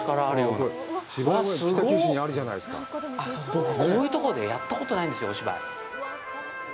僕、こういうとこでやったことないんですよ、お芝居。